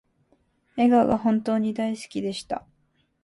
笑顔が本当に大好きでした